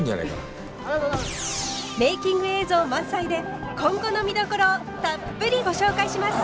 メイキング映像満載で今後の見どころをたっぷりご紹介します！